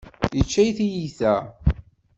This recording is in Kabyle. Yečča tiyita.